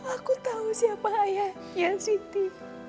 aku tahu siapa ayahnya siti